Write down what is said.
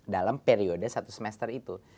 dalam periode satu semester itu